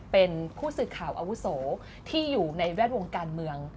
เป็นผู้สื่อข่าวอาวุโสที่อยู่ในแวดวงการเมือง